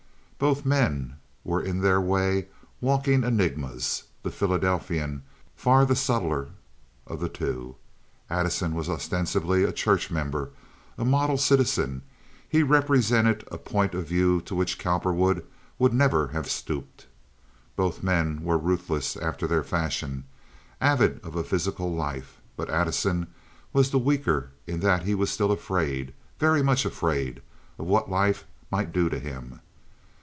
Both men were in their way walking enigmas, the Philadelphian far the subtler of the two. Addison was ostensibly a church member, a model citizen; he represented a point of view to which Cowperwood would never have stooped. Both men were ruthless after their fashion, avid of a physical life; but Addison was the weaker in that he was still afraid—very much afraid—of what life might do to him.